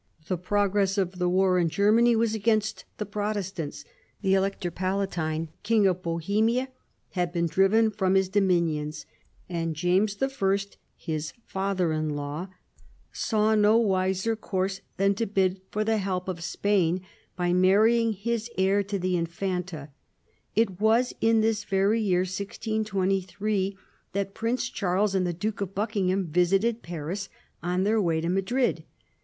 The progress of the war in Germany was against the Protestants; the Elector Palatine, King of Bohemia, had been driven from his dominions, and James I., his father in law, saw no wiser course than to bid for the help of Spain by marrying his heir to the Infanta ; it was in this very year 1623 that Prince Charles and the Duke of Buckingham visited Paris on their way to Madrid.